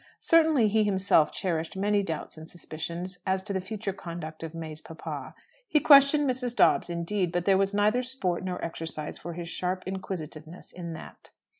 Certainly he himself cherished many doubts and suspicions as to the future conduct of May's papa. He questioned Mrs. Dobbs, indeed; but there was neither sport nor exercise for his sharp inquisitiveness in that.